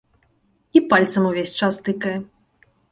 І пальцам увесь час тыкае.